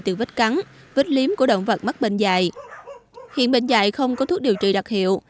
từ vết cắn vết liếm của động vật mắc bệnh dạy hiện bệnh dạy không có thuốc điều trị đặc hiệu